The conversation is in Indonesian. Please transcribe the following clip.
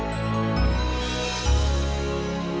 sampai jumpa lagi